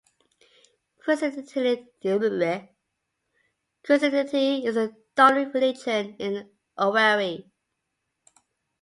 Christianity is the dominant religion in Owerri.